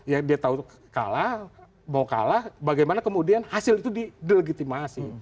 ya dia tahu kalah mau kalah bagaimana kemudian hasil itu didelegitimasi